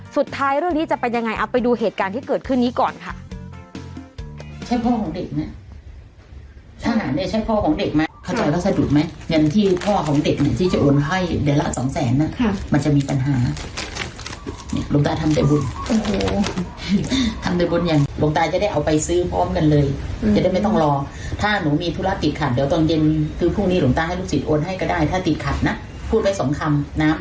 เรื่องนี้จะเป็นยังไงเอาไปดูเหตุการณ์ที่เกิดขึ้นนี้ก่อนค่ะ